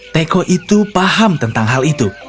teko itu paham tentang hal itu